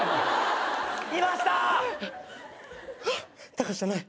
タカシじゃない。